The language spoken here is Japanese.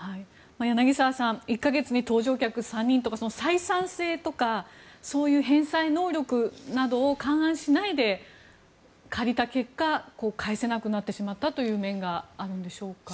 柳澤さん１か月に搭乗客３人とか採算性とか、そういう返済能力などを勘案しないで借りた結果返せなくなってしまった面があるんでしょうか。